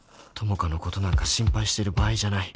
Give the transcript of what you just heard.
朋香のことなんか心配してる場合じゃない